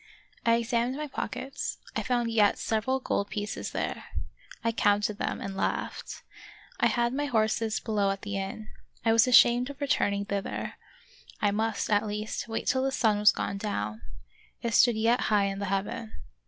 I examined my pockets ; I found yet several gold pieces there ;. I counted them, and laughed. I had my horses below at the inn. I was ashamed of returning thither, — I must, at least, wait till the sun was gone down ; it stood yet high in the heaven.